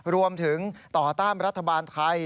รวมถึงต่อต้านรัฐบาลไทย